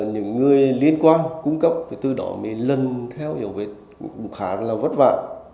những người liên quan cung cấp từ đó mới lần theo diệu vệt cũng khá là vất vả